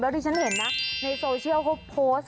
ที่ฉันเห็นนะในโซเชียลเขาโพสต์